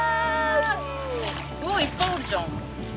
おっいっぱいおるじゃん。